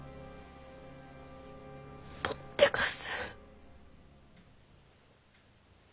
ぽってかす。